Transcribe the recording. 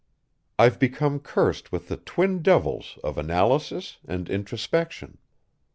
I've become cursed with the twin devils of analysis and introspection.